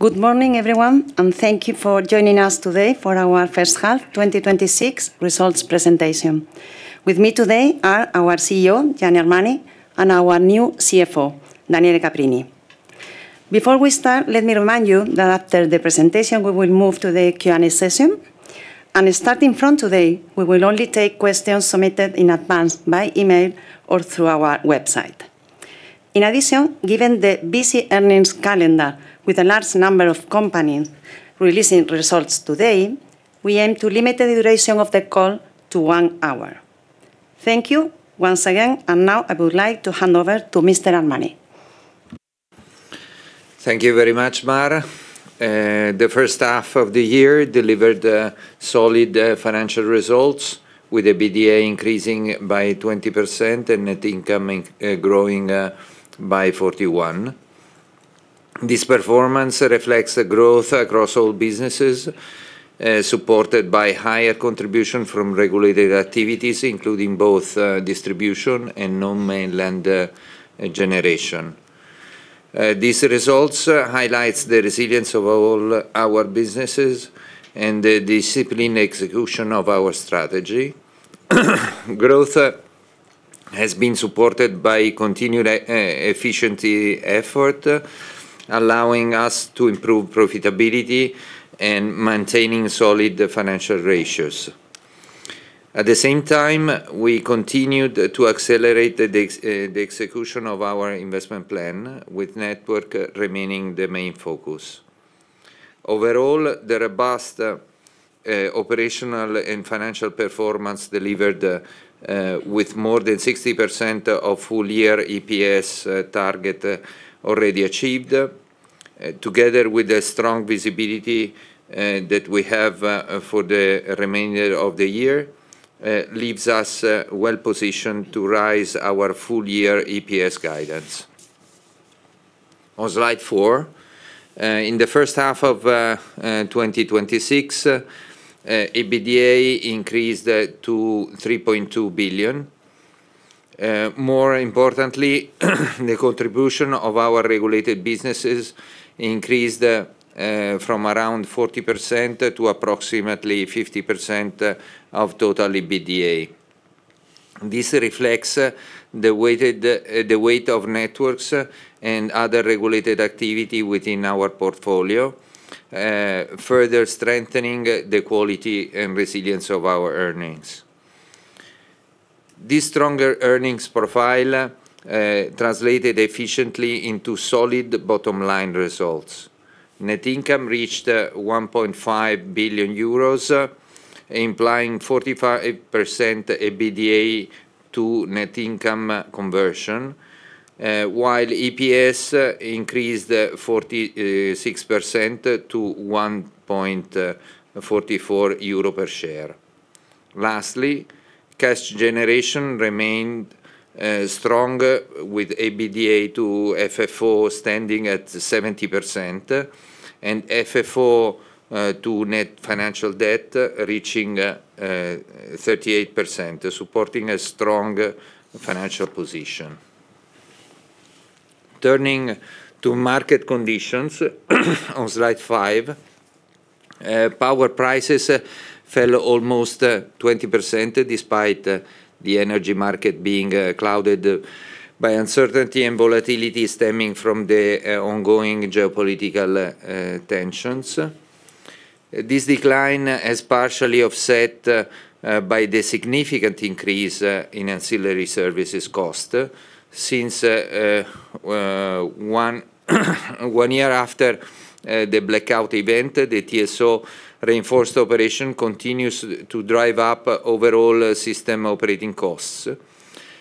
Good morning, everyone, and thank you for joining us today for our first half 2026 results presentation. With me today are our CEO, Gianni Armani, and our new CFO, Daniele Caprini. Before we start, let me remind you that after the presentation, we will move to the Q&A session. Starting from today, we will only take questions submitted in advance by email or through our website. In addition, given the busy earnings calendar, with a large number of companies releasing results today, we aim to limit the duration of the call to one hour. Thank you once again. Now I would like to hand over to Mr. Armani. Thank you very much, Mar. The first half of the year delivered solid financial results, with the EBITDA increasing by 20% and net income growing by 41%. This performance reflects the growth across all businesses, supported by a higher contribution from regulated activities, including both distribution and non-mainland generation. These results highlight the resilience of all our businesses and the disciplined execution of our strategy. Growth has been supported by continued efficiency efforts, allowing us to improve profitability and maintain solid financial ratios. At the same time, we continued to accelerate the execution of our investment plan, with networks remaining the main focus. Overall, the robust operational and financial performance delivered with more than 60% of the full-year EPS target already achieved, together with the strong visibility that we have for the remainder of the year, leaves us well-positioned to raise our full-year EPS guidance. On slide four, in the first half of 2026, EBITDA increased to 3.2 billion. More importantly, the contribution of our regulated businesses increased from around 40% to approximately 50% of total EBITDA. This reflects the weight of networks and other regulated activity within our portfolio, further strengthening the quality and resilience of our earnings. This stronger earnings profile translated efficiently into solid bottom-line results. Net income reached 1.5 billion euros, implying 45% EBITDA to net income conversion, while EPS increased 46% to 1.44 euro per share. Lastly, cash generation remained strong, with EBITDA to FFO standing at 70%, and FFO to net financial debt reaching 38%, supporting a strong financial position. Turning to market conditions on slide five. Power prices fell almost 20%, despite the energy market being clouded by uncertainty and volatility stemming from the ongoing geopolitical tensions. This decline is partially offset by the significant increase in ancillary services cost since, one year after the blackout event, the TSO-reinforced operation continues to drive up overall system operating costs.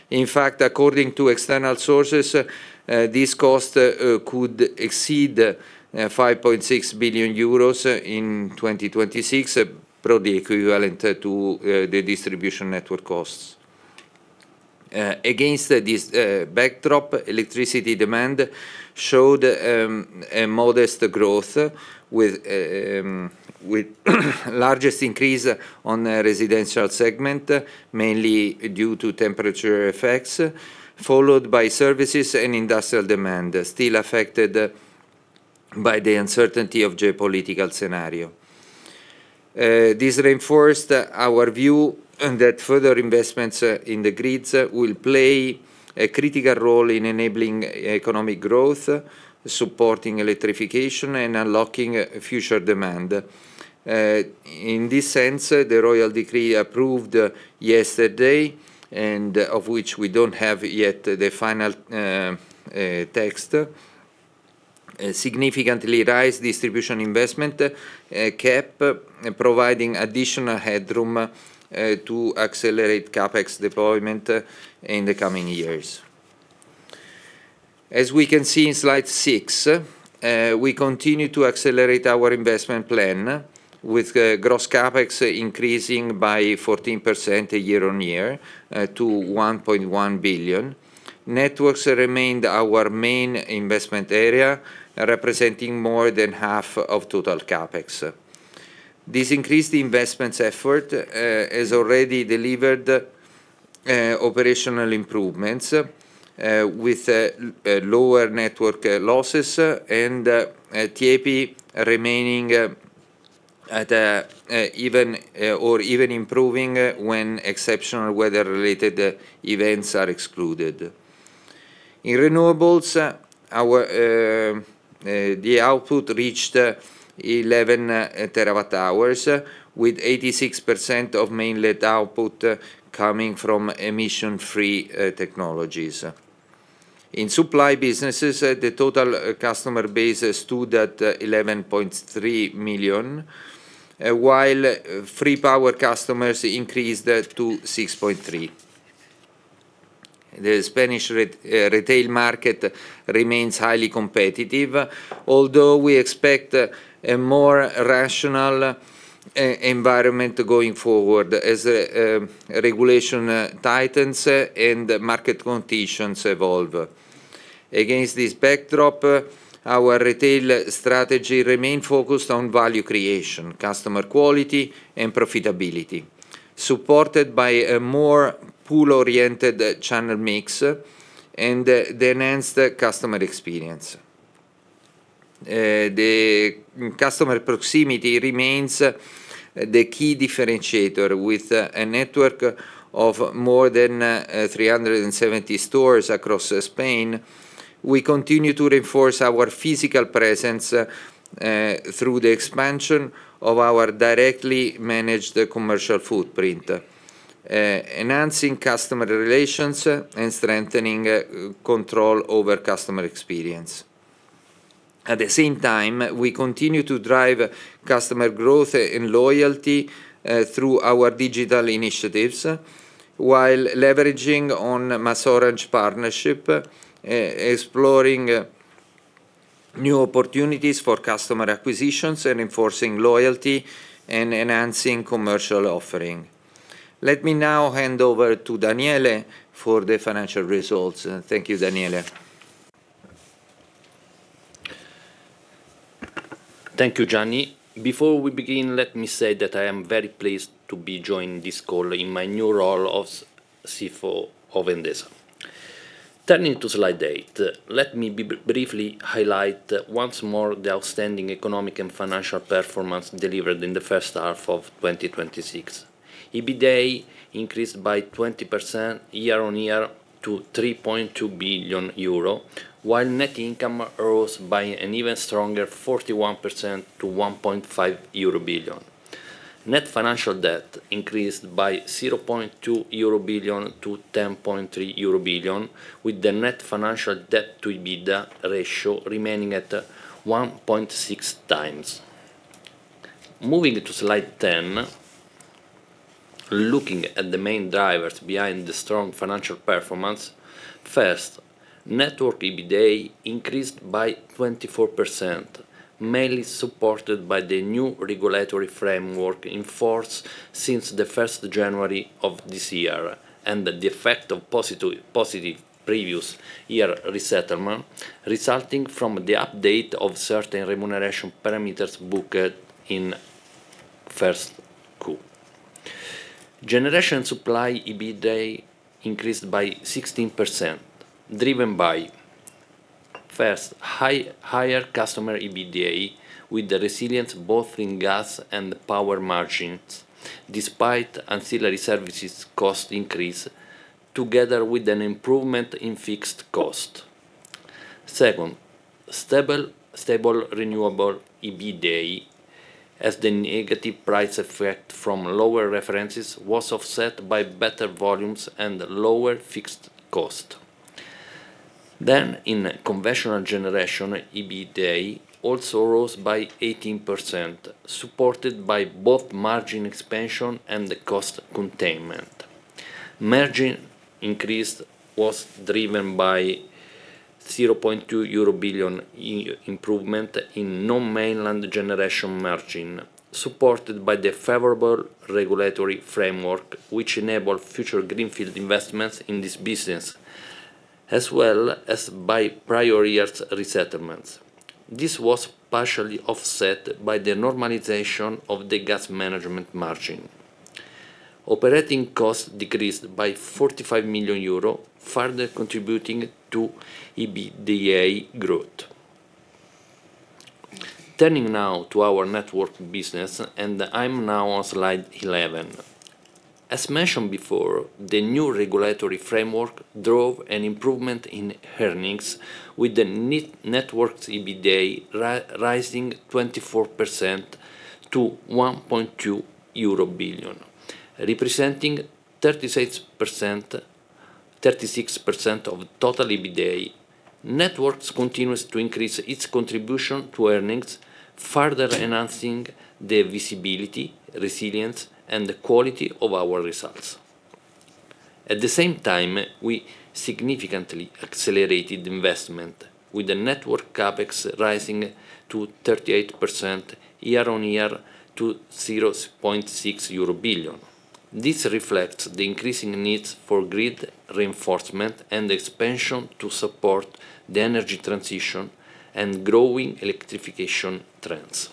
In fact, according to external sources, this cost could exceed 5.6 billion euros in 2026, probably equivalent to the distribution network costs. Against this backdrop, electricity demand showed a modest growth, with the largest increase in the residential segment, mainly due to temperature effects, followed by services and industrial demand, still affected by the uncertainty of the geopolitical scenario. This reinforced our view that further investments in the grids will play a critical role in enabling economic growth, supporting electrification, and unlocking future demand. In this sense, the royal decree approved yesterday, of which we don't have the final text yet, significantly raised the distribution investment cap, providing additional headroom to accelerate CapEx deployment in the coming years. As we can see in slide six, we continue to accelerate our investment plan, with gross CapEx increasing by 14% year-on-year to 1.1 billion. Networks remained our main investment area, representing more than half of total CapEx. This increased investment effort has already delivered operational improvements with lower network losses and TIEPI remaining or even improving when exceptional weather-related events are excluded. In renewables, the output reached 11TWh, with 86% of mainland output coming from emission-free technologies. In supply businesses, the total customer base stood at 11.3 million, while free-power customers increased to 6.3 million. The Spanish retail market remains highly competitive, although we expect a more rational environment going forward as regulation tightens and market conditions evolve. Against this backdrop, our retail strategy remains focused on value creation, customer loyalty, and profitability, supported by a more pool-oriented channel mix and the enhanced customer experience. The customer proximity remains the key differentiator. With a network of more than 370 stores across Spain, we continue to reinforce our physical presence through the expansion of our directly managed commercial footprint, enhancing customer relations, and strengthening control over customer experience. At the same time, we continue to drive customer growth and loyalty through our digital initiatives while leveraging the MasOrange partnership, exploring new opportunities for customer acquisitions, and enforcing loyalty and enhancing commercial offering. Let me now hand over to Daniele for the financial results. Thank you, Daniele. Thank you, Gianni. Before we begin, let me say that I am very pleased to be joining this call in my new role of CFO of Endesa. Turning to slide eight, let me briefly highlight once more the outstanding economic and financial performance delivered in the first half of 2026. EBITDA increased by 20% year-on-year to 3.2 billion euro, while net income rose by an even stronger 41% to 1.5 billion euro. Net financial debt increased by 0.2 billion euro to 10.3 billion euro, with the net financial debt-to-EBITDA ratio remaining at 1.6x. Moving to slide 10, looking at the main drivers behind the strong financial performance. First, network EBITDA increased by 24%, mainly supported by the new regulatory framework in force since the 1st of January of this year and the effect of positive previous year resettlement, resulting from the update of certain remuneration parameters booked in the first quarter. Generation supply EBITDA increased by 16%, driven by, first, higher customer EBITDA, with resilience in both gas and power margins, despite an ancillary services cost increase, together with an improvement in fixed costs. Second, stable renewable EBITDA, as the negative price effect from lower references, was offset by better volumes and lower fixed costs. In conventional generation, EBITDA also rose by 18%, supported by both margin expansion and cost containment. The margin increase was driven by a 0.2 billion euro improvement in the non-mainland generation margin, supported by the favorable regulatory framework, which enabled future greenfield investments in this business, as well as by prior years' resettlements. This was partially offset by the normalization of the gas management margin. Operating costs decreased by 45 million euro, further contributing to EBITDA growth. Turning now to our network business, and I'm now on slide 11. As mentioned before, the new regulatory framework drove an improvement in earnings, with the networks' EBITDA rising 24% to EUR 1.2 billion, representing 36% of total EBITDA. Networks continue to increase their contribution to earnings, further enhancing the visibility, resilience, and quality of our results. At the same time, we significantly accelerated investment, with the Network CapEx rising to 38% year-on-year to 0.6 billion euro. This reflects the increasing needs for grid reinforcement and expansion to support the energy transition and growing electrification trends.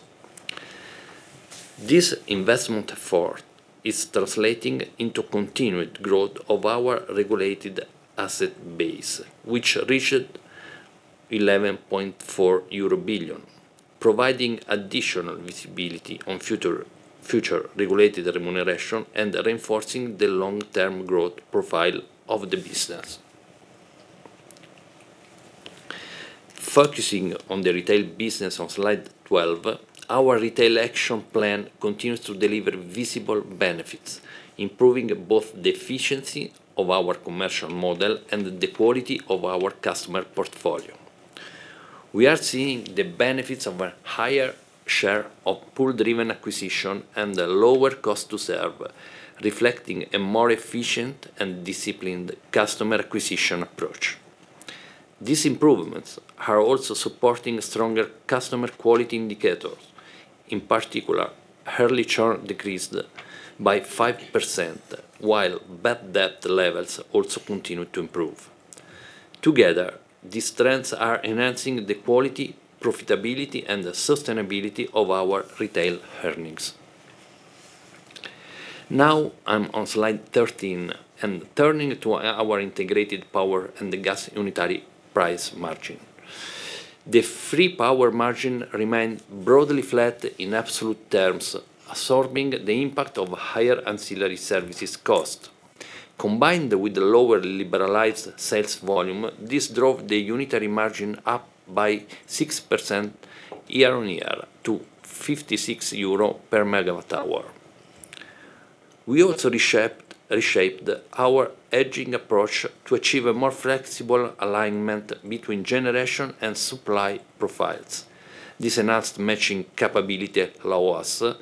This investment effort is translating into continued growth of our regulated asset base, which reached 11.4 billion euro, providing additional visibility on future regulated remuneration and reinforcing the long-term growth profile of the business. Focusing on the retail business on slide 12, our retail action plan continues to deliver visible benefits, improving both the efficiency of our commercial model and the quality of our customer portfolio. We are seeing the benefits of a higher share of pull-driven acquisition and a lower cost to serve, reflecting a more efficient and disciplined customer acquisition approach. These improvements are also supporting stronger customer quality indicators. In particular, early churn decreased by 5%, while bad debt levels also continue to improve. Together, these trends are enhancing the quality, profitability, and sustainability of our retail earnings. Now I'm on slide 13, turning to our integrated power and the gas unitary price margin. The free power margin remained broadly flat in absolute terms, absorbing the impact of higher ancillary services costs. Combined with the lower liberalized sales volume, this drove the unitary margin up by 6% year-on-year to 56 euro per megawatt hour. We also reshaped our hedging approach to achieve a more flexible alignment between generation and supply profiles. This enhanced matching capability allows us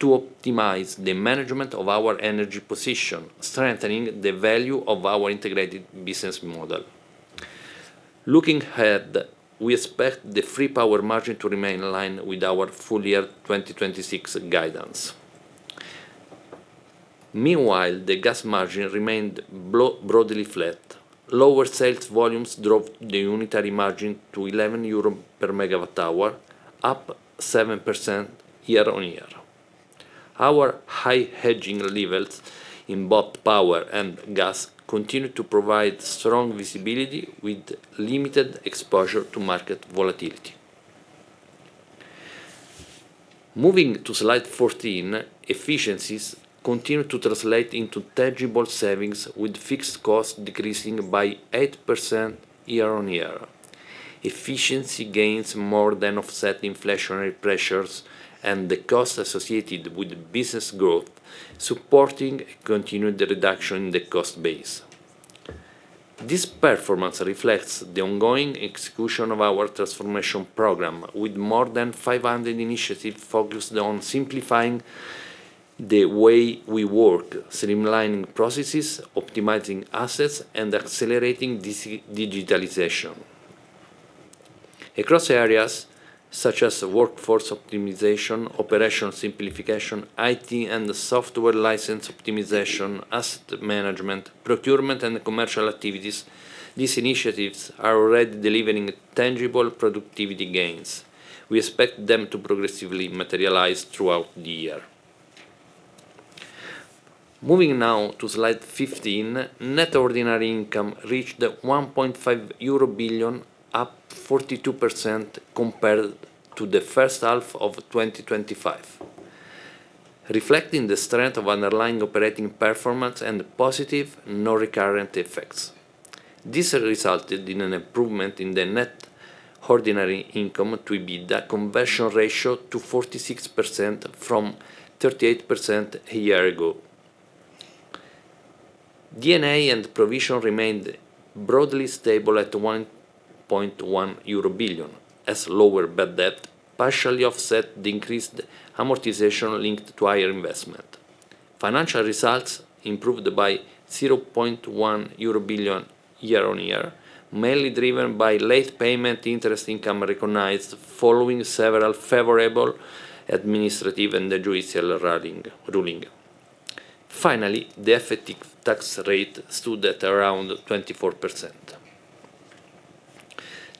to optimize the management of our energy position, strengthening the value of our integrated business model. Looking ahead, we expect the free power margin to remain in line with our full year 2026 guidance. Meanwhile, the gas margin remained broadly flat. Lower sales volumes drove the unitary margin to 11 euro per megawatt hour, up 7% year-on-year. Our high hedging levels in both power and gas continue to provide strong visibility with limited exposure to market volatility. Moving to slide 14, efficiencies continue to translate into tangible savings, with fixed costs decreasing by 8% year-on-year. Efficiency gains more than offset inflationary pressures and the cost associated with business growth, supporting continued reduction in the cost base. This performance reflects the ongoing execution of our transformation program, with more than 500 initiatives focused on simplifying the way we work, streamlining processes, optimizing assets, and accelerating digitalization. Across areas such as workforce optimization, operational simplification, IT and software license optimization, asset management, procurement, and commercial activities, these initiatives are already delivering tangible productivity gains. We expect them to progressively materialize throughout the year. Moving now to slide 15, net ordinary income reached 1.5 billion euro, up 42% compared to the first half of 2025, reflecting the strength of underlying operating performance and positive non-recurrent effects. This resulted in an improvement in the net ordinary income to EBITDA conversion ratio to 46% from 38% a year ago. D&A and provision remained broadly stable at EUR 1.1 billion, as lower bad debt partially offset the increased amortization linked to higher investment. Financial results improved by EUR 0.1 billion year-on-year, mainly driven by late payment interest income recognized following several favorable administrative and judicial ruling. Finally, the effective tax rate stood at around 24%.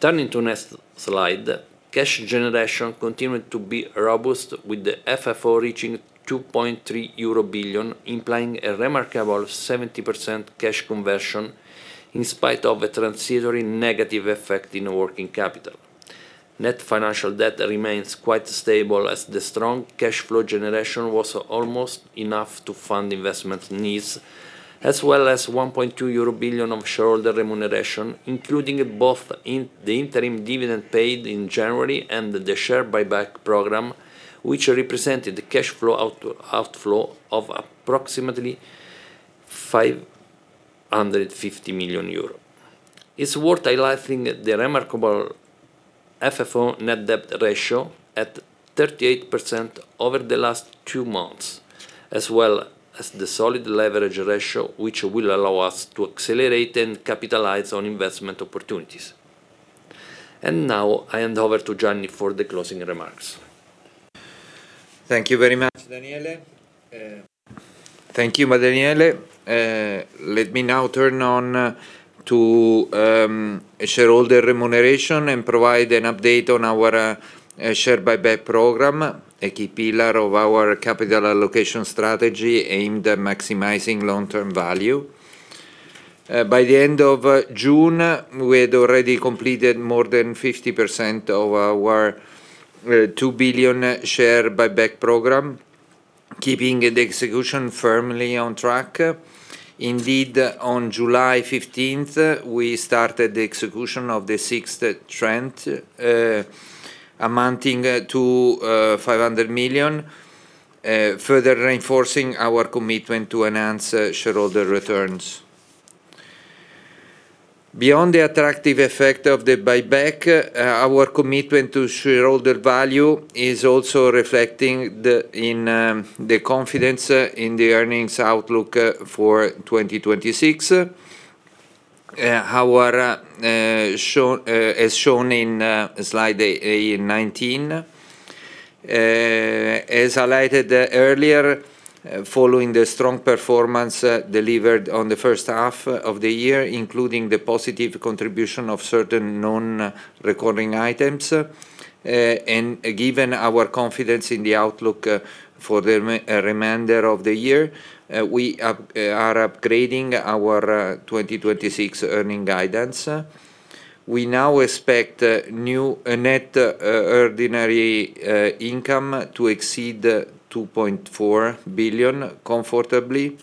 Turning to the next slide, cash generation continued to be robust, with the FFO reaching 2.3 billion euro, implying a remarkable 70% cash conversion in spite of a transitory negative effect in working capital. Net financial debt remains quite stable, as the strong cash flow generation was almost enough to fund investment needs, as well as 1.2 billion euro of shareholder remuneration, including both the interim dividend paid in January and the share buyback program, which represented a cash outflow of approximately 550 million euro. It is worth highlighting the remarkable FFO net debt ratio at 38% over the last two months, as well as the solid leverage ratio, which will allow us to accelerate and capitalize on investment opportunities. Now I hand over to Gianni for the closing remarks. Thank you very much, Daniele. Thank you, Daniele. Let me now turn on to shareholder remuneration and provide an update on our share buyback program, a key pillar of our capital allocation strategy aimed at maximizing long-term value. By the end of June, we had already completed more than 50% of our 2 billion share buyback program, keeping the execution firmly on track. Indeed, on July 15th, we started the execution of the sixth tranche, amounting to 500 million, further reinforcing our commitment to enhance shareholder returns. Beyond the attractive effect of the buyback, our commitment to shareholder value is also reflected in the confidence in the earnings outlook for 2026, as shown in slide 19. As highlighted earlier, following the strong performance delivered in the first half of the year, including the positive contribution of certain non-recurring items, given our confidence in the outlook for the remainder of the year, we are upgrading our 2026 earnings guidance. We now expect net ordinary income to exceed 2.4 billion, comfortably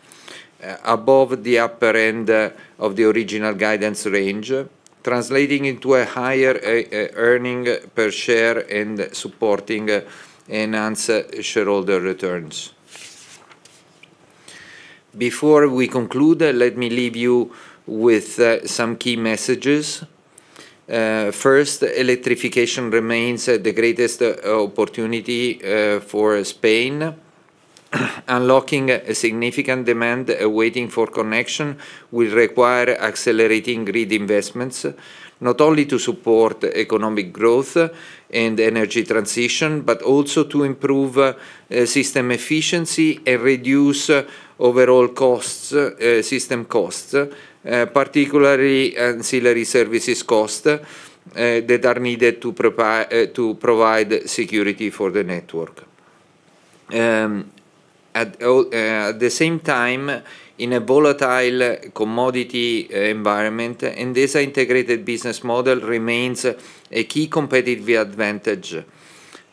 above the upper end of the original guidance range, translating into a higher earnings per share and supporting enhanced shareholder returns. Before we conclude, let me leave you with some key messages. First, electrification remains the greatest opportunity for Spain. Unlocking a significant demand waiting for connection will require accelerating grid investments, not only to support economic growth and energy transition but also to improve system efficiency and reduce overall system costs, particularly ancillary services costs that are needed to provide security for the network. At the same time, in a volatile commodity environment, Endesa's integrated business model remains a key competitive advantage,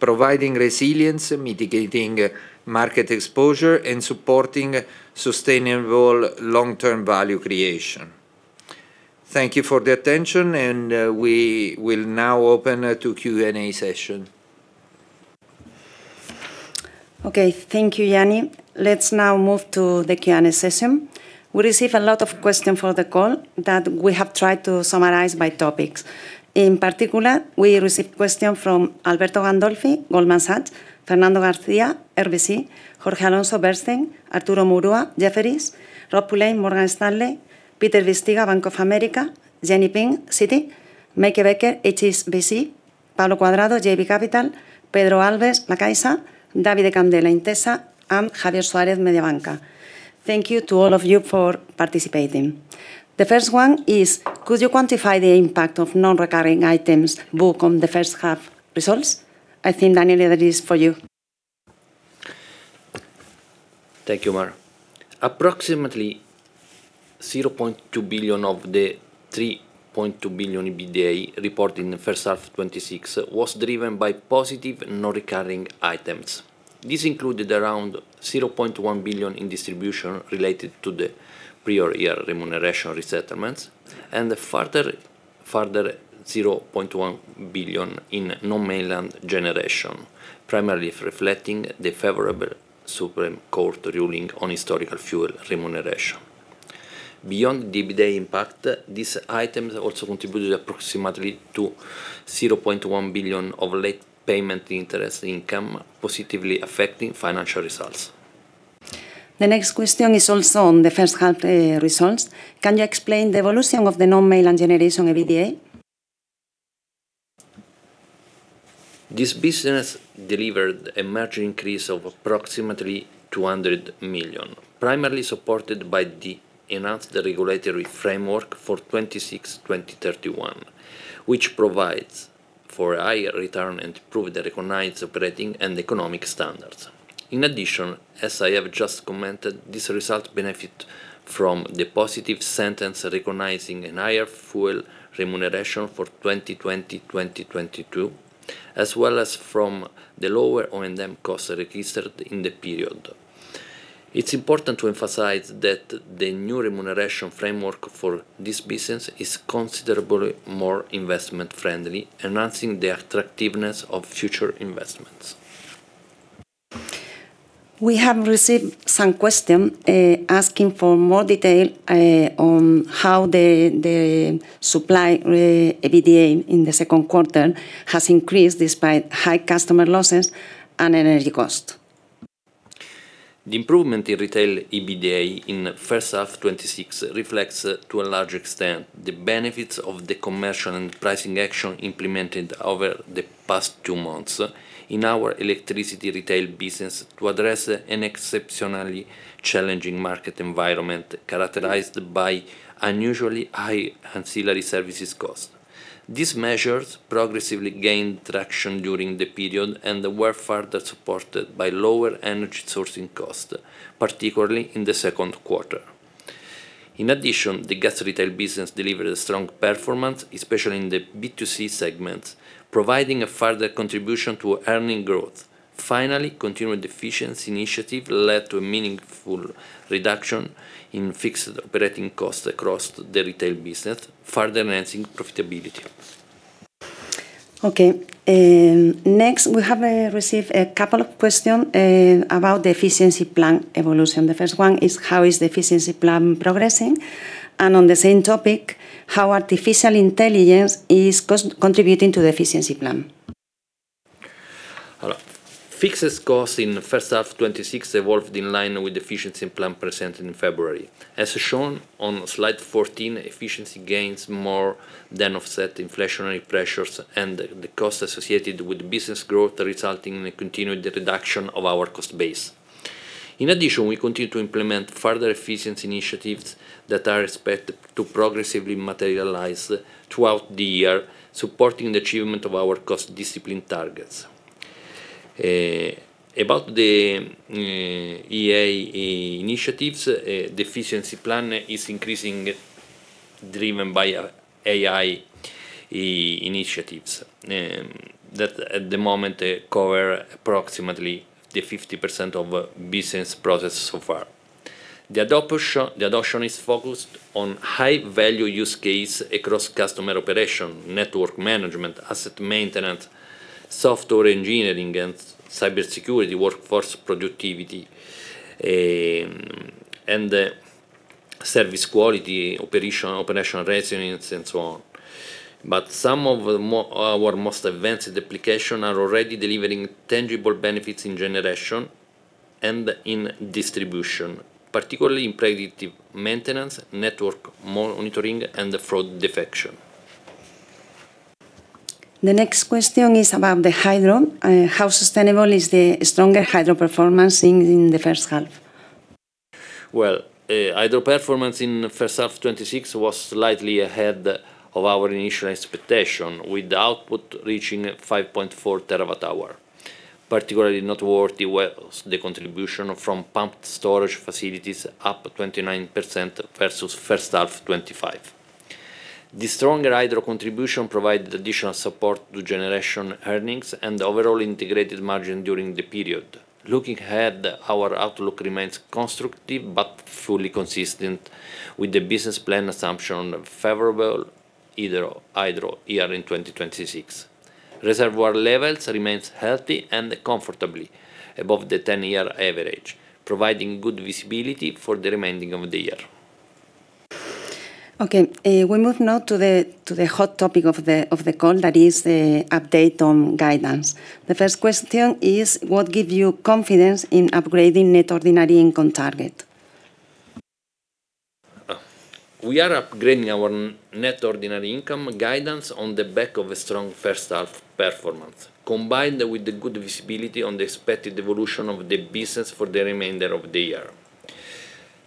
providing resilience, mitigating market exposure, and supporting sustainable long-term value creation. Thank you for your attention; we will now open to a Q&A session. Okay. Thank you, Gianni. Let's now move to the Q&A session. We received a lot of questions for the call that we have tried to summarize by topics. In particular, we receive questions from Alberto Gandolfi, Goldman Sachs; Fernando Garcia, RBC; Jorge Alonso, Bernstein; Arturo Murua, Jefferies; Rob Pulleyn, Morgan Stanley; Peter Bisztyga, Bank of America; Jenny Ping, Citi; Meike Becker, HSBC; Pablo Cuadrado, JB Capital; Pedro Alves, La Caixa; Davide Candela, Intesa; and Javier Suarez, Mediobanca. Thank you to all of you for participating. The first one is, could you quantify the impact of non-recurring items booked on the first half results? I think, Daniele, that is for you. Thank you, Mar. Approximately 0.2 billion of the 3.2 billion EBITDA reported in the first half 2026 was driven by positive non-recurring items. This included around 0.1 billion in distribution related to the prior year remuneration resettlements and a further 0.1 billion in non-mainland generation, primarily reflecting the favorable Supreme Court ruling on historical fuel remuneration. Beyond the EBITDA impact, these items also contributed approximately to 0.1 billion of late payment interest income, positively affecting financial results. The next question is also on the first half results. Can you explain the evolution of the non-mainland generation EBITDA? This business delivered a major increase of approximately 200 million, primarily supported by the enhanced regulatory framework for 2026, 2031, which provides for a higher return and improved recognized operating and economic standards. In addition, as I have just commented, this result benefits from the positive sentence recognizing a higher fuel remuneration for 2020-2022, as well as from the lower O&M costs registered in the period. It's important to emphasize that the new remuneration framework for this business is considerably more investment friendly, enhancing the attractiveness of future investments. We have received some questions asking for more detail on how the supply EBITDA in the second quarter has increased despite high customer losses and energy costs. The improvement in retail EBITDA in the first half of 2026 reflects, to a large extent, the benefits of the commercial and pricing action implemented over the past two months in our electricity retail business to address an exceptionally challenging market environment, characterized by unusually high ancillary services costs. These measures progressively gained traction during the period and were further supported by lower energy sourcing costs, particularly in the second quarter. In addition, the gas retail business delivered a strong performance, especially in the B2C segment, providing a further contribution to earning growth. Finally, a continued efficiency initiative led to a meaningful reduction in fixed operating costs across the retail business, further enhancing profitability. Okay. Next, we have received a couple of questions about the efficiency plan evolution. The first one is, how is the efficiency plan progressing? On the same topic, how is artificial intelligence contributing to the efficiency plan? Fixed costs in the first half of 2026 evolved in line with the efficiency plan presented in February. As shown on slide 14, efficiency gains more than offset inflationary pressures and the cost associated with business growth, resulting in a continued reduction of our cost base. In addition, we continue to implement further efficiency initiatives that are expected to progressively materialize throughout the year, supporting the achievement of our cost discipline targets. About the AI initiatives, the efficiency plan is increasingly driven by AI initiatives that, at the moment, cover approximately 50% of business processes so far. The adoption is focused on high-value use cases across customer operation, network management, asset maintenance, software engineering and cybersecurity, workforce productivity, service quality, operational resilience, and so on. Some of our most advanced applications are already delivering tangible benefits in generation and in distribution, particularly in predictive maintenance, network monitoring, and fraud detection. The next question is about the hydro. How sustainable is the stronger hydro performance in the first half? Well, hydro performance in the first half of 2026 was slightly ahead of our initial expectation, with output reaching 5.4TWh. Particularly noteworthy was the contribution from pumped storage facilities, up 29% versus the first half of 2025. The stronger hydro contribution provided additional support to generation earnings and overall integrated margin during the period. Looking ahead, our outlook remains constructive but fully consistent with the business plan assumption of a favorable hydro year in 2026. Reservoir levels remain healthy and comfortably above the 10-year average, providing good visibility for the remainder of the year. Okay. We move now to the hot topic of the call, which is the update on guidance. The first question is, what gives you confidence in upgrading the net ordinary income target? We are upgrading our net ordinary income guidance on the back of a strong first half performance, combined with the good visibility on the expected evolution of the business for the remainder of the year.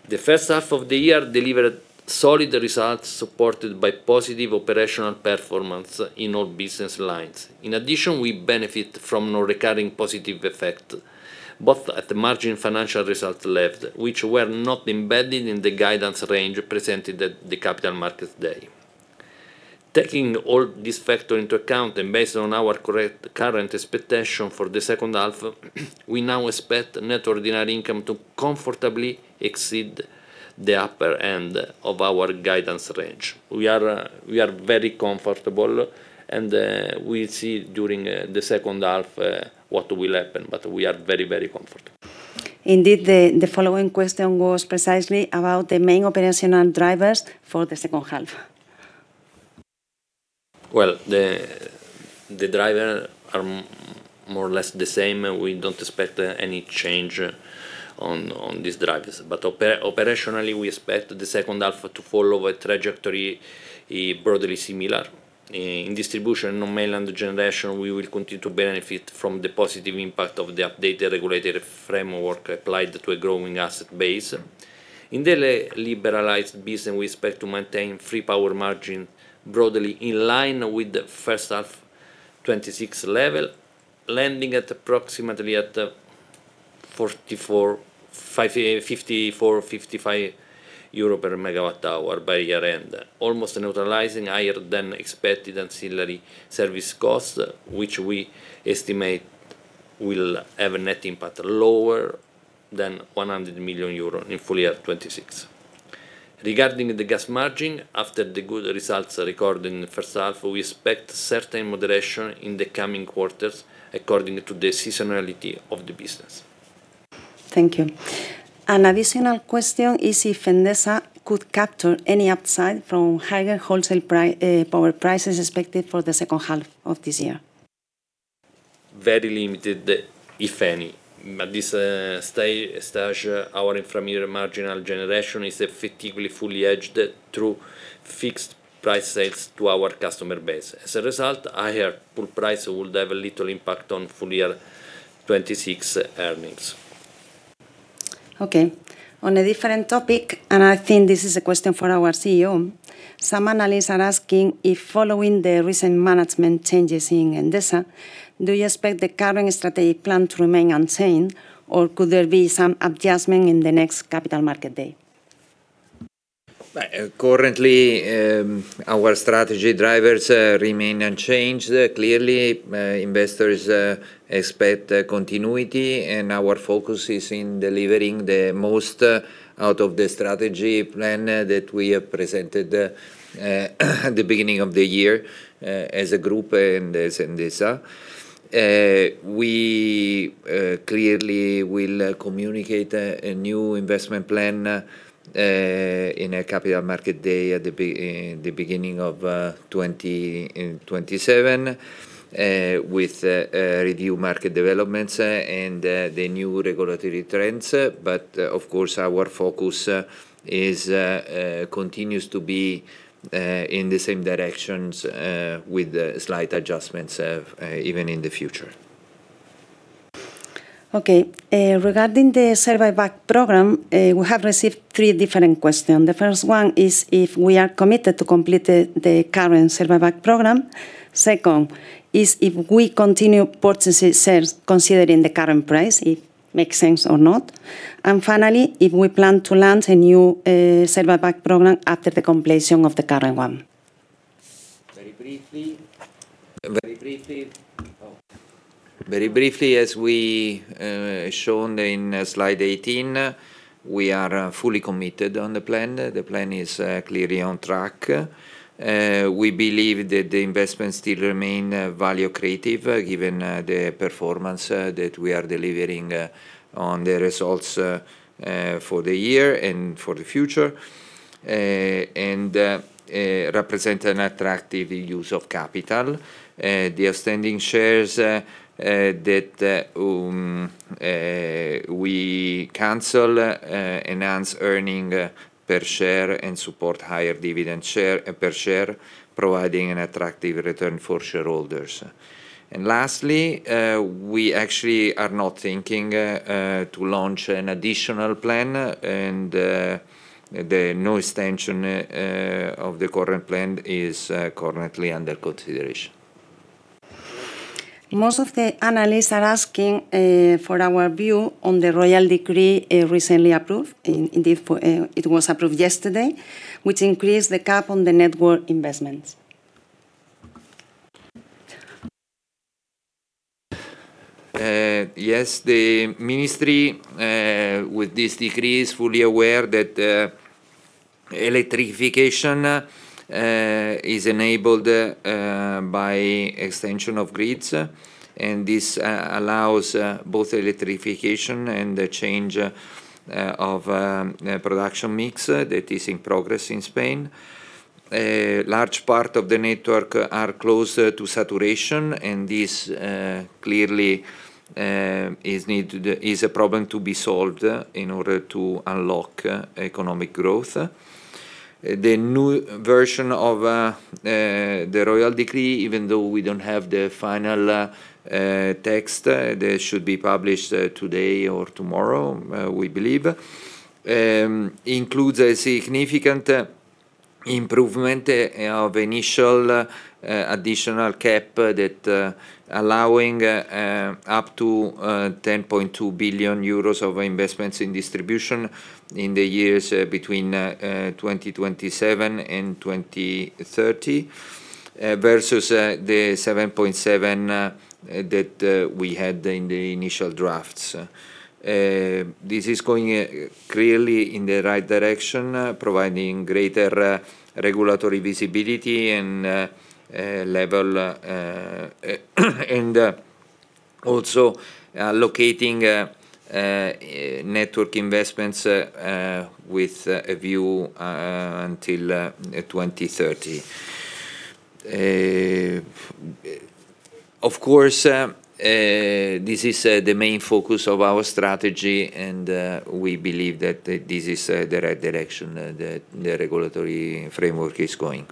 The first half of the year delivered solid results, supported by positive operational performance in all business lines. In addition, we benefit from a recurring positive effect, both at the margin and at the financial results level, which was not embedded in the guidance range presented at the Capital Markets Day. Taking all these factors into account and based on our current expectation for the second half, we now expect net ordinary income to comfortably exceed the upper end of our guidance range. We are very comfortable, and we'll see during the second half what will happen. We are very comfortable. Indeed, the following question was precisely about the main operational drivers for the second half. Well, the drivers are more or less the same. We don't expect any change in these drivers. Operationally, we expect the second half to follow a trajectory broadly similar. In distribution on the mainland generation, we will continue to benefit from the positive impact of the updated regulatory framework applied to a growing asset base. In the liberalized business, we expect to maintain a free power margin broadly in line with the first half of 2026 level, landing approximately at 54, and 55 euro per megawatt hour by year-end, almost neutralizing higher-than-expected ancillary service costs, which we estimate will have a net impact lower than 100 million euro in full year 2026. Regarding the gas margin, after the good results recorded in the first half, we expect certain moderation in the coming quarters according to the seasonality of the business. Thank you. An additional question is if Endesa could capture any upside from higher wholesale power prices expected for the second half of this year. Very limited, if any. At this stage, our inframarginal generation is effectively fully hedged through fixed-price sales to our customer base. As a result, a higher pool price would have little impact on full-year 2026 earnings. Okay. On a different topic, I think this is a question for our CEO. Some analysts are asking if, following the recent management changes in Endesa, do you expect the current strategic plan to remain unchanged, or could there be some adjustment in the next Capital Market Day? Currently, our strategy drivers remain unchanged. Clearly, investors expect continuity; our focus is on delivering the most out of the strategy plan that we have presented at the beginning of the year as a group and as Endesa. We clearly will communicate a new investment plan in a capital market day at the beginning of 2027 with a review of market developments and the new regulatory trends. Of course, our focus continues to be in the same directions with slight adjustments even in the future. Okay. Regarding the share buyback program, we have received three different questions. The first one is if we were committed to complete the current share buyback program. The second is if we continue purchasing shares, considering the current price and if it makes sense or not. Finally, if we plan to launch a new share buyback program after the completion of the current one. Very briefly, as we showed in slide 18, we are fully committed to the plan. The plan is clearly on track. We believe that the investments still remain value-creative given the performance that we are delivering on the results for the year and for the future and represent an attractive use of capital. The outstanding shares that we cancel enhance earnings per share and support a higher dividend per share, providing an attractive return for shareholders. Lastly, we actually are not planning to launch an additional plan. No extension of the current plan is currently under consideration. Most of the analysts are asking for our view on the royal decree recently approved. Indeed, it was approved yesterday, which increased the cap on the network investments. Yes, the ministry with this decree is fully aware that electrification is enabled by the extension of grids, and this allows both electrification and the change of production mix that is in progress in Spain. A large part of the network is closer to saturation, and this clearly is a problem to be solved in order to unlock economic growth. The new version of the Royal Decree, even though we don't have the final text that should be published today or tomorrow, we believe, includes a significant improvement of the initial additional cap that allows up to 10.2 billion euros of investments in distribution in the years between 2027 and 2030 versus the 7.7 billion that we had in the initial drafts. This is going clearly in the right direction, providing greater regulatory visibility and levels. Also allocating network investments with a view to 2030. Of course, this is the main focus of our strategy. We believe that this is the right direction that the regulatory framework is going.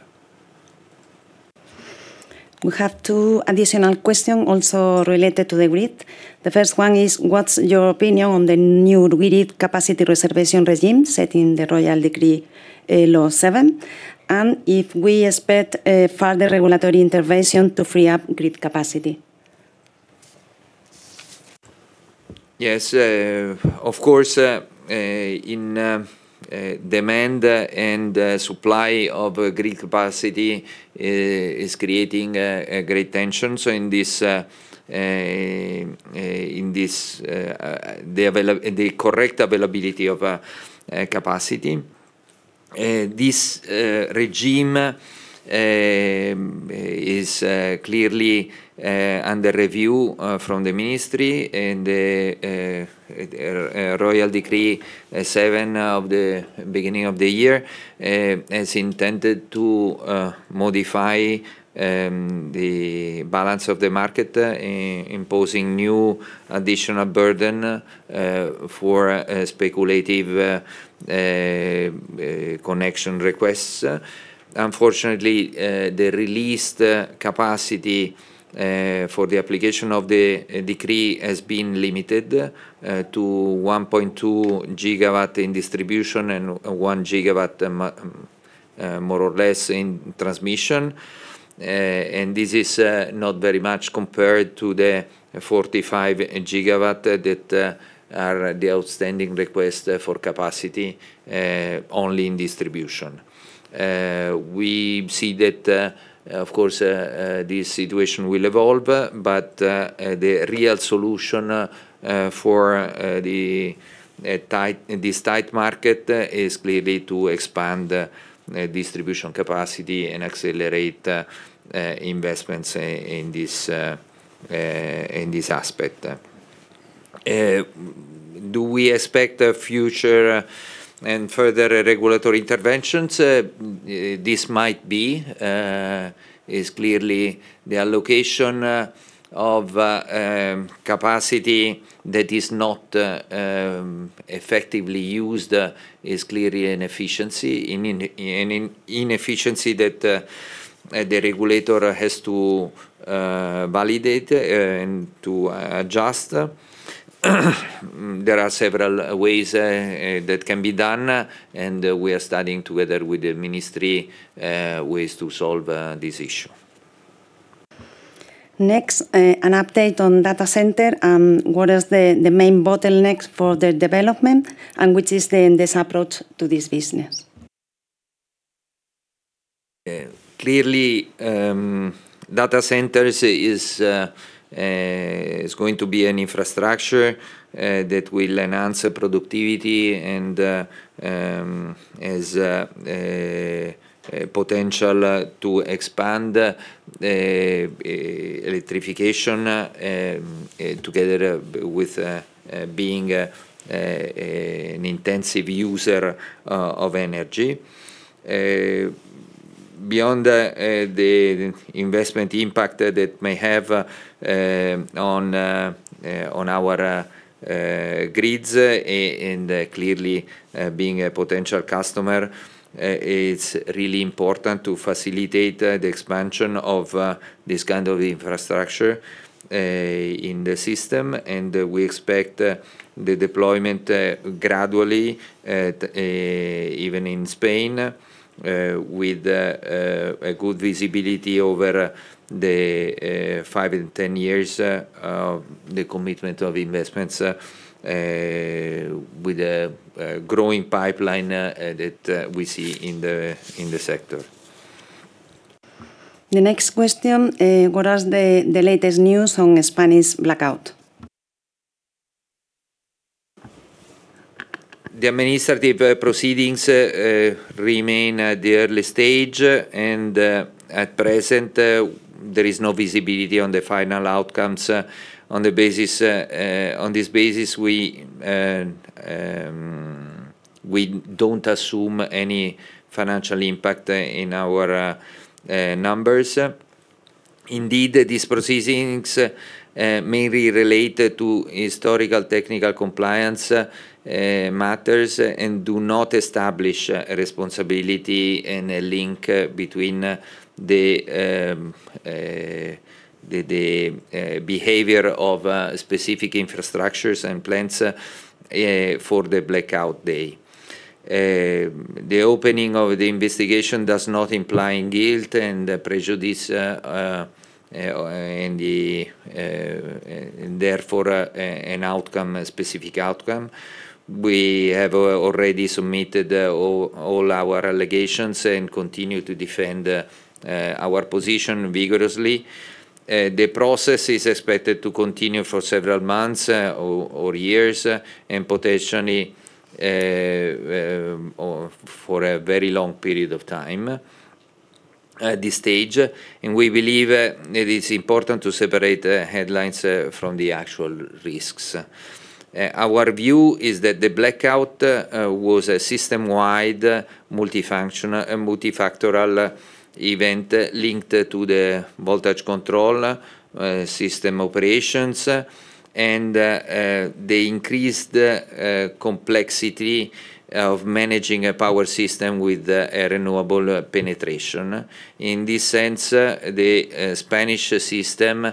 We have two additional questions also related to the grid. The first one is, what's your opinion on the new grid capacity reservation regime set in the Royal Decree-Law seven, and do we expect a further regulatory intervention to free up grid capacity? Yes. Of course, demand and supply of grid capacity are creating great tension. In this, the correct availability of capacity. This regime is clearly under review from the ministry, and the Royal Decree-Law Seven from the beginning of the year is intended to modify the balance of the market, imposing new additional burdens for speculative connection requests. Unfortunately, the released capacity for the application of the decree has been limited to 1.2GW in distribution and 1GW, more or less, in transmission. This is not very much compared to the 45GW that are the outstanding request for capacity, only in distribution. We see that, of course, this situation will evolve. The real solution for this tight market is clearly to expand distribution capacity and accelerate investments in this aspect. Do we expect future and further regulatory interventions? This might be. It is clearly the allocation of capacity that is not effectively used is clearly an inefficiency that the regulator has to validate and to adjust. There are several ways that can be done. We are studying with the ministry ways to solve this issue. Next, an update on data centers: What is the main bottleneck for the development, and what is the Endesa approach to this business? Clearly, data centers are going to be an infrastructure that will enhance productivity and have the potential to expand electrification together with being an intensive user of energy. Beyond the investment impact that it may have on our grids and clearly being a potential customer, it's really important to facilitate the expansion of this kind of infrastructure in the system. We expect the deployment gradually, even in Spain, with good visibility over the five and 10 years of the commitment of investments with a growing pipeline that we see in the sector. The next question is, what is the latest news on the Spanish blackout? The administrative proceedings remain at the early stage. At present, there is no visibility on the final outcomes. On this basis, we don't assume any financial impact on our numbers. Indeed, these proceedings mainly relate to historical technical compliance matters and do not establish a responsibility and a link between the behavior of specific infrastructures and plants for the blackout day. The opening of the investigation does not imply guilt and prejudice and, therefore, a specific outcome. We have already submitted all our allegations and continue to defend our position vigorously. The process is expected to continue for several months or years and potentially for a very long period of time at this stage. We believe it is important to separate the headlines from the actual risks. Our view is that the blackout was a system-wide, multifactorial event linked to the voltage control, system operations, and the increased complexity of managing a power system with a renewable penetration. In this sense, the Spanish system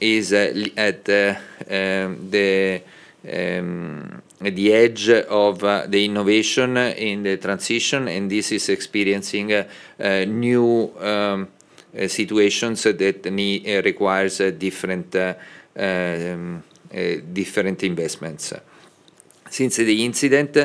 is at the edge of the innovation in the transition. This is experiencing new situations that require different investments. Since the incident,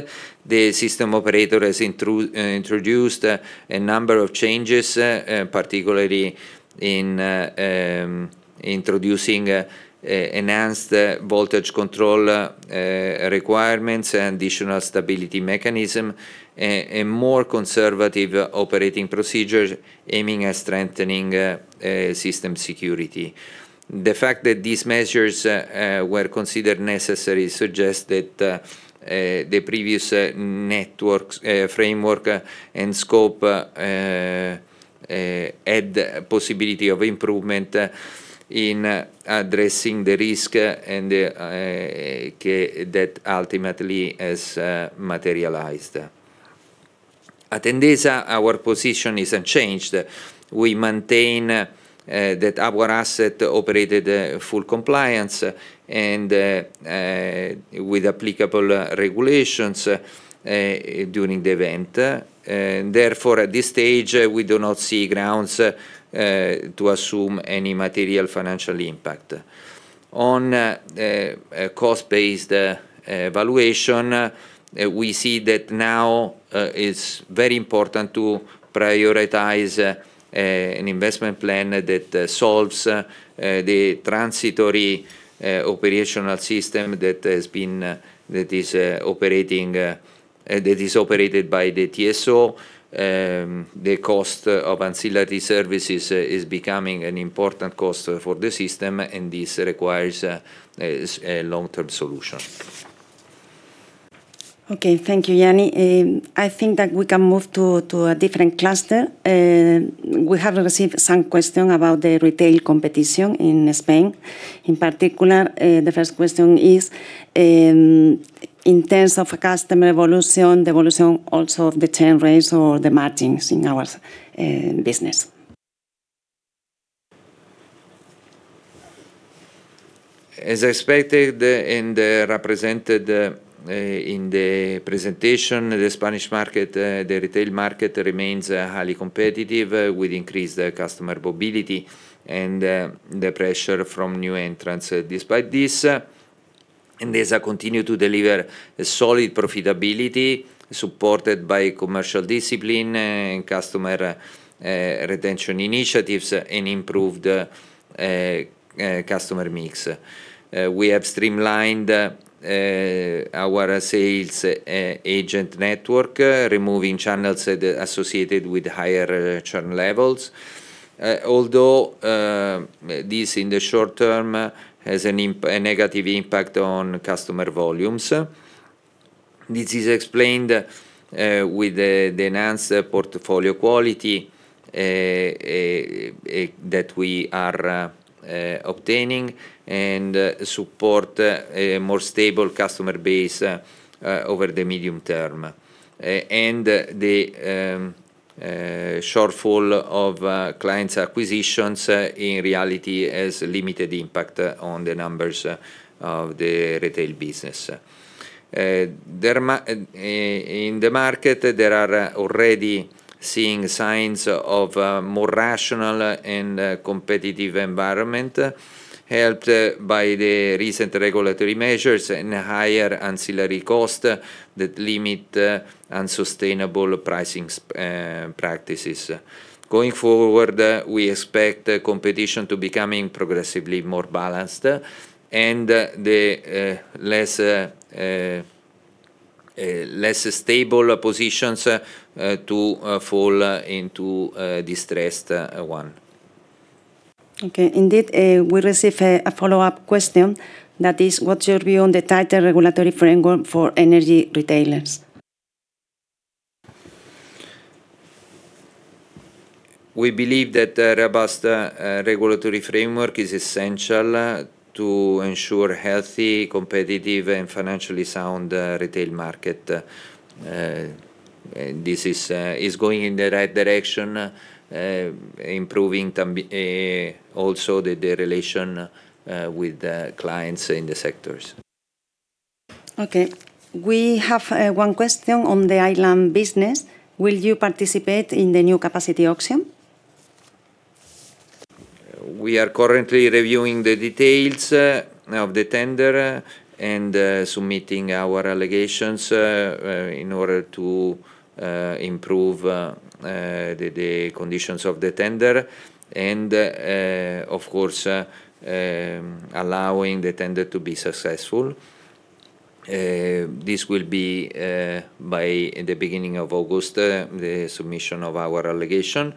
the system operator has introduced a number of changes, particularly in introducing enhanced voltage control requirements, additional stability mechanisms, and more conservative operating procedures aiming at strengthening system security. The fact that these measures were considered necessary suggests that the previous network framework and scope had the possibility of improvement in addressing the risk. That ultimately has materialized. At Endesa, our position isn't changed. We maintain that our asset operated in full compliance with applicable regulations during the event. Therefore, at this stage, we do not see grounds to assume any material financial impact. On a cost-based valuation, we see that now it's very important to prioritize an investment plan that solves the transitory operational system that is operated by the TSO. The cost of ancillary services is becoming an important cost for the system; this requires a long-term solution. Okay, thank you, Gianni. I think that we can move to a different cluster. We have received some questions about the retail competition in Spain. In particular, the first question is, in terms of customer evolution, the evolution also of the churn rates or the margins in our business. As expected and represented in the presentation, the Spanish market, the retail market, remains highly competitive with increased customer mobility and the pressure from new entrants. Despite this, Endesa continues to deliver solid profitability supported by commercial discipline and customer retention initiatives and an improved customer mix. We have streamlined our sales agent network, removing channels associated with higher churn levels. Although this in the short term has a negative impact on customer volumes. This is explained by the enhanced portfolio quality that we are obtaining and supporting a more stable customer base over the medium term. The shortfall of client acquisitions, in reality, has limited impact on the numbers of the retail business. In the market, there are already seeing signs of a more rational and competitive environment, helped by the recent regulatory measures and higher ancillary costs that limit unsustainable pricing practices. Going forward, we expect competition to become progressively more balanced and the less stable positions to fall into a distressed one. Okay. Indeed, we receive a follow-up question that is, What's your view on the tighter regulatory framework for energy retailers? We believe that a robust regulatory framework is essential to ensure a healthy, competitive, and financially sound retail market. This is going in the right direction, improving also the relationship with the clients in the sectors. Okay. We have one question on the island business. Will you participate in the new capacity auction? We are currently reviewing the details of the tender and submitting our allegations in order to improve the conditions of the tender and, of course, allow the tender to be successful. This will be by the beginning of August, the submission of our allegation.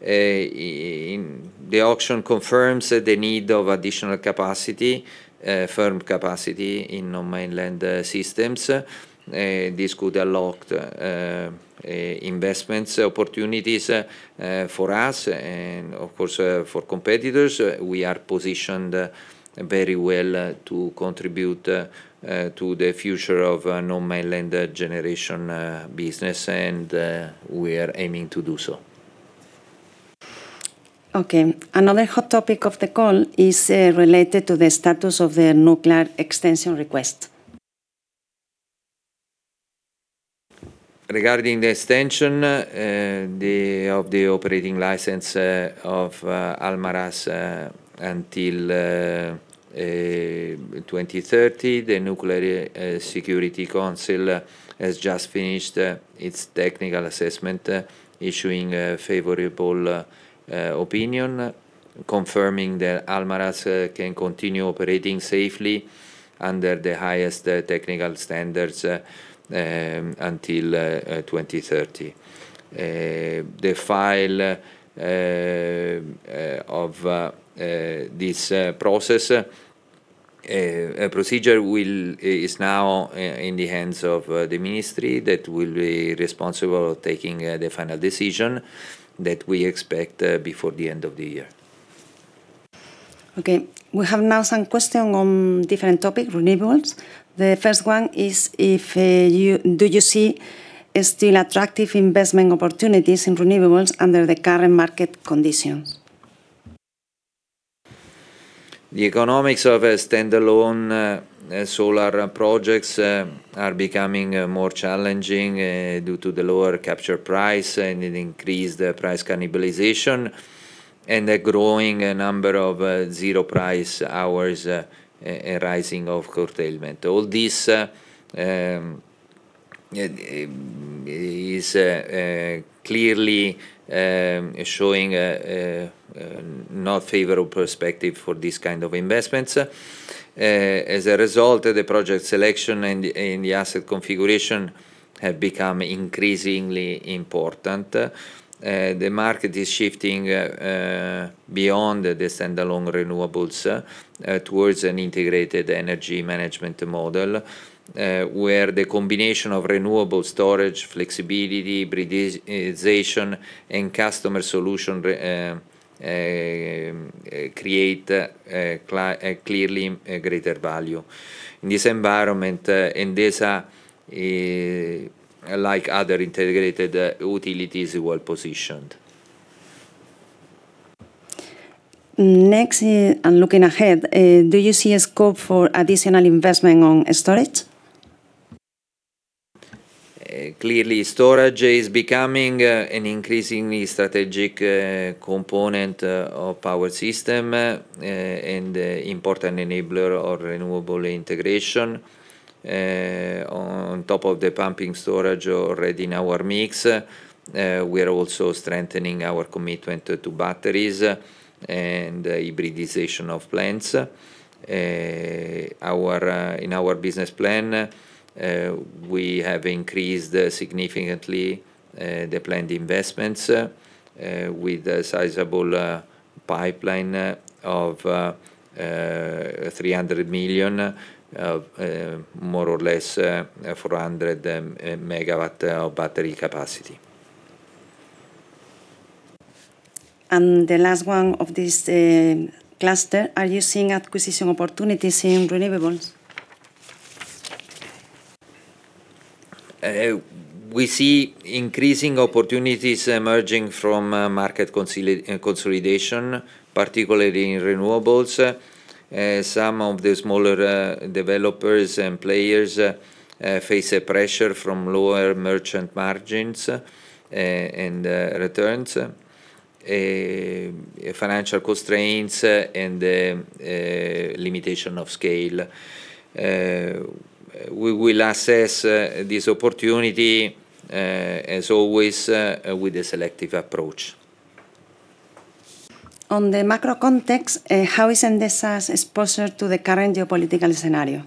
The auction confirms the need for additional capacity, firm capacity in non-mainland systems. This could unlock investment opportunities for us and, of course, for competitors. We are positioned very well to contribute to the future of non-mainland generation business, and we are aiming to do so. Okay. Another hot topic of the call is related to the status of the nuclear extension request. Regarding the extension of the operating license of Almaraz until 2030, the Nuclear Safety Council has just finished its technical assessment, issuing a favorable opinion, confirming that Almaraz can continue operating safely under the highest technical standards until 2030. The file of this procedure is now in the hands of the ministry that will be responsible for taking the final decision, which we expect before the end of the year. Okay. We now have some questions on a different topic, renewables. The first one is, do you still see attractive investment opportunities in renewables under the current market conditions? The economics of standalone solar projects are becoming more challenging due to the lower capture price, an increased price cannibalization, and the growing number of zero-price hours, rising from curtailment. All this is clearly showing a not favorable perspective for these kinds of investments. As a result, the project selection and the asset configuration have become increasingly important. The market is shifting beyond the standalone renewables towards an integrated energy management model, where the combination of renewable storage, flexibility, hybridization, and customer solutions creates clearly a greater value. In this environment, Endesa, like other integrated utilities, is well-positioned. Next, looking ahead, do you see a scope for additional investment in storage? Clearly, storage is becoming an increasingly strategic component of power systems and an important enabler of renewable integration. On top of the pumping storage already in our mix, we are also strengthening our commitment to batteries and hybridization of plants. In our business plan, we have increased significantly the planned investments with a sizable pipeline of EUR 300 million, more or less 400MW of battery capacity. The last one of this cluster, are you seeing acquisition opportunities in renewables? We see increasing opportunities emerging from market consolidation, particularly in renewables. Some of the smaller developers and players face pressure from lower merchant margins and returns, financial constraints, and limitations of scale. We will assess this opportunity, as always, with a selective approach. In the macro context, how is Endesa's exposure to the current geopolitical scenario?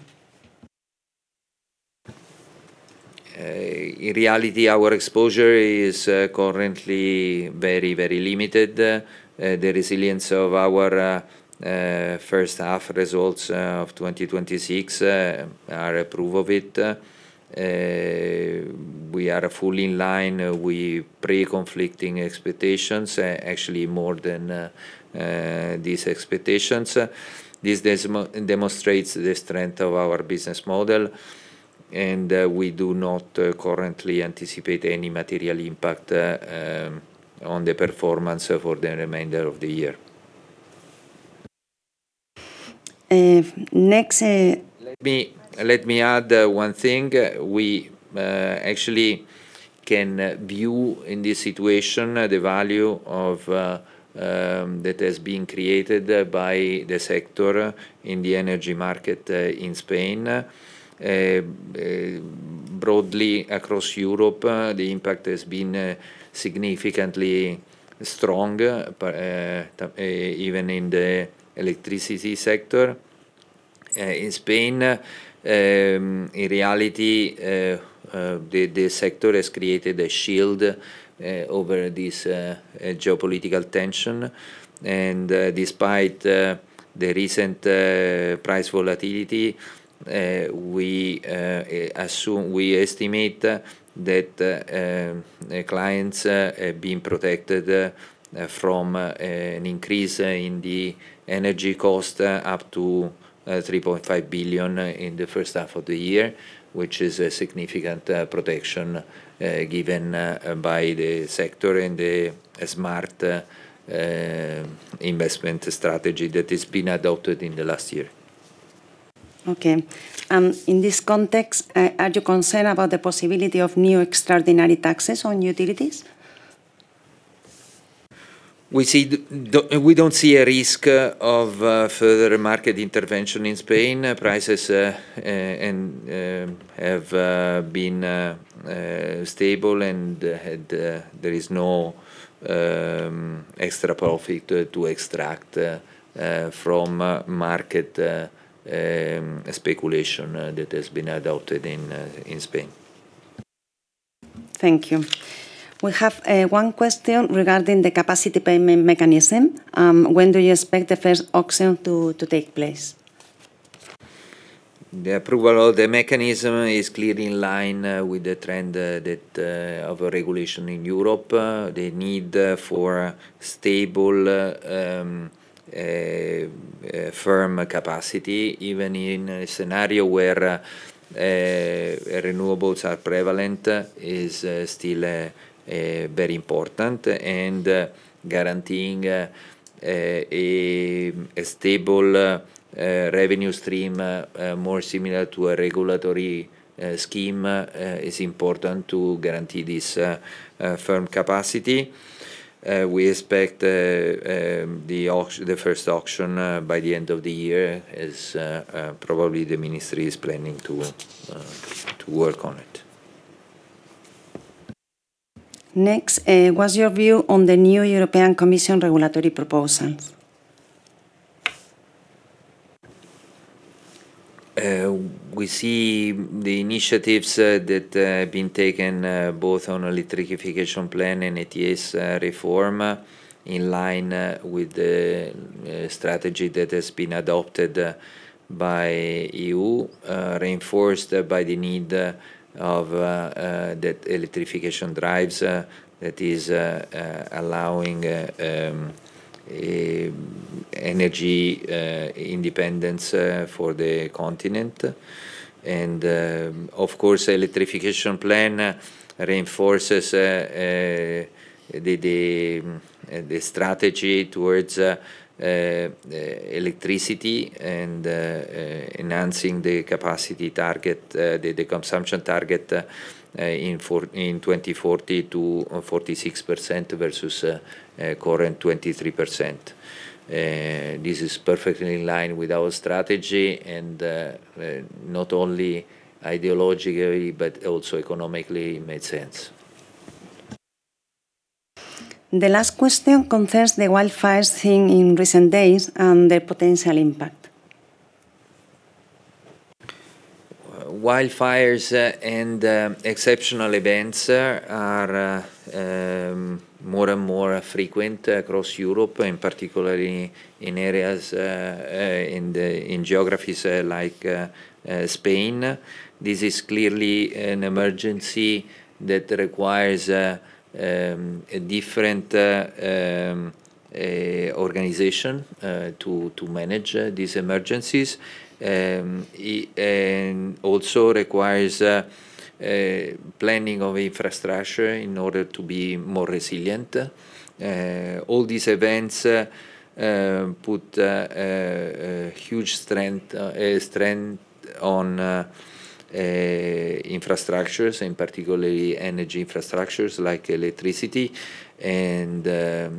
In reality, our exposure is currently very limited. The resilience of our first half results of 2026 are a proof of it. We are fully in line with pre-conflicting expectations, actually more than these expectations. This demonstrates the strength of our business model. We do not currently anticipate any material impact on the performance for the remainder of the year. Next— Let me add one thing. We actually can view, in this situation, the value that has been created by the sector in the energy market in Spain. Broadly across Europe, the impact has been significantly strong, even in the electricity sector. In Spain, in reality, the sector has created a shield over this geopolitical tension. Despite the recent price volatility, we estimate that clients are being protected from an increase in the energy cost up to 3.5 billion in the first half of the year, which is a significant protection given by the sector and the smart investment strategy that has been adopted in the last year. Okay. In this context, are you concerned about the possibility of new extraordinary taxes on utilities? We don't see a risk of further market intervention in Spain. Prices have been stable. There is no extra profit to extract from market speculation that has been adopted in Spain. Thank you. We have one question regarding the capacity payment mechanism. When do you expect the first auction to take place? The approval of the mechanism is clearly in line with the trend of regulation in Europe. The need for stable, firm capacity, even in a scenario where renewables are prevalent, is still very important. Guaranteeing a stable revenue stream more similar to a regulatory scheme is important to guarantee this firm capacity. We expect the first auction by the end of the year, as probably the ministry is planning to work on it. Next, what is your view on the new European Commission regulatory proposals? We see the initiatives that have been taken, both on the electrification plan and ETS reform, in line with the strategy that has been adopted by the EU, reinforced by the need for the electrification drives that are allowing energy independence for the continent. Of course, the electrification plan reinforces the strategy towards electricity and enhancing the consumption target in 2040 to 46% versus the current 23%. This is perfectly aligned with our strategy. Not only ideologically but also economically, it made sense. The last question concerns the wildfires seen in recent days and their potential impact. Wildfires and exceptional events are more and more frequent across Europe, particularly in geographies like Spain. This is clearly an emergency that requires a different organization to manage these emergencies. It also requires planning of infrastructure in order to be more resilient. All these events put a huge strain on infrastructures, particularly energy infrastructures like electricity; the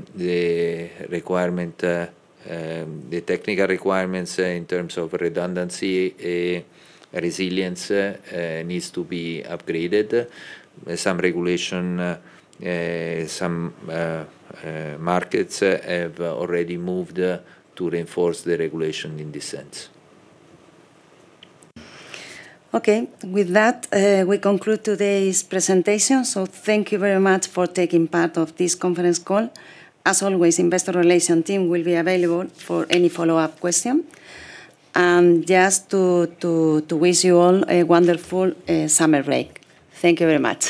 technical requirements in terms of redundancy and resilience need to be upgraded. Some markets have already moved to reinforce the regulation in this sense. Okay. With that, we conclude today's presentation. Thank you very much for taking part in this conference call. As always, the investor relations team will be available for any follow-up questions. Just to wish you all a wonderful summer break. Thank you very much.